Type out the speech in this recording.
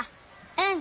うん。